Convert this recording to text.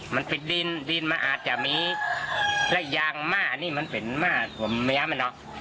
มันปิดดินดินมันอาจจะมีและยางม้านี่มันเป็นม้าตัวแมวไหมเนอะ